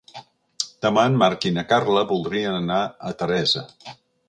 Demà en Marc i na Carla voldrien anar a Teresa.